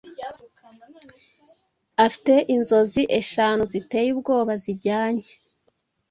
afite inzozi eshanu ziteye ubwoba zijyanye